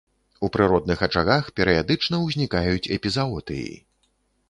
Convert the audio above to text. У прыродных ачагах перыядычна ўзнікаюць эпізаотыі.